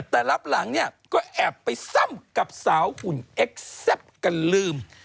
แต่รับหลังเนี่ยก็แอบไปซ่ำกับสาวหุ่นเอ็กซ์แซ่บกันลืม